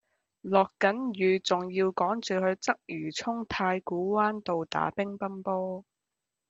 落緊雨仲要趕住去鰂魚涌太古灣道打乒乓波